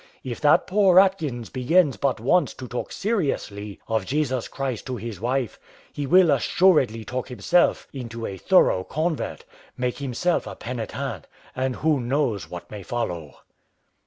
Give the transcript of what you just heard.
If that poor Atkins begins but once to talk seriously of Jesus Christ to his wife, he will assuredly talk himself into a thorough convert, make himself a penitent, and who knows what may follow."